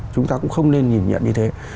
chúng ta cũng không nên nhìn nhận như thế